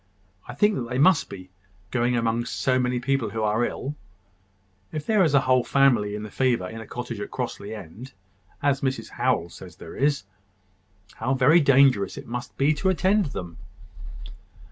"I think they must be, going among so many people who are ill. If there is a whole family in the fever in a cottage at Crossly End, as Mrs Howell says there is, how very dangerous it must be to attend them!"